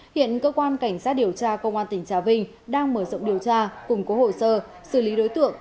hiện cơ quan cảnh sát điều tra công an tỉnh trà vinh đang mở rộng điều tra cùng cố hồ sơ xử lý đối tượng